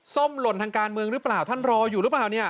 ส้มหล่นทางการเมืองหรือเปล่าท่านรออยู่หรือเปล่าเนี่ย